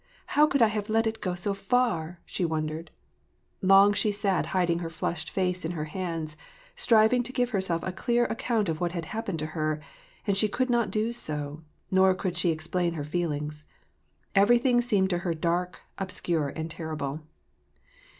" How could I have let it go so far ?" she wondered. Long she sat hiding her flushed face in her hands, striving to give heraelf a clear account of what had happened to her, and she could not do so, nor could she explain her feelings. Everything seemed to her dark, obscure, and terrible.